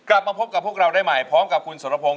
กลับมาพบกับพวกเราได้ใหม่พร้อมกับคุณสรพงศ